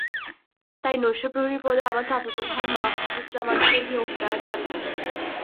তাই নৈশপ্রহরী পদে আমার চাচাতো ভাই মাহফুজ্জামানকে নিয়োগ দেওয়ার দাবি জানাই।